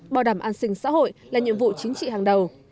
bảo đảm an sinh xã hội là nhiệm vụ chính trị hàng đầu